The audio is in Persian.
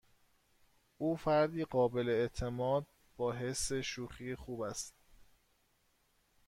او فردی قابل اعتماد با حس شوخی خوب است.